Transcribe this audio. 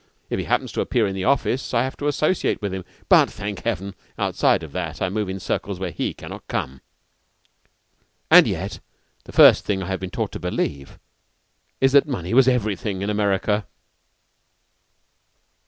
If he happens to appear in the office, I have to associate with him; but, thank Heaven! outside of that I move in circles where he cannot come." And yet the first thing I have been taught to believe is that money was everything in America!